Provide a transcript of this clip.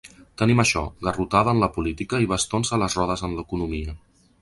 Tenim això: garrotada en la política i bastons a les rodes en l’economia.